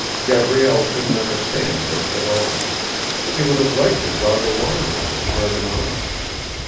Gabrielle couldn't understand this at all; she would have liked to jog along with him arm in arm.